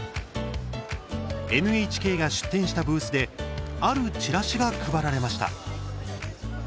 ＮＨＫが出展したブースであるチラシが配られました。